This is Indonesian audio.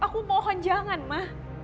aku mohon jangan ma